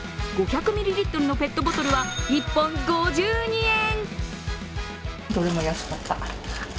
５００ミリリットルのペットボトルは１本５２円。